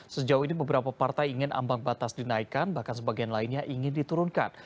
sejauh ini beberapa partai ingin ambang batas dinaikkan bahkan sebagian lainnya ingin diturunkan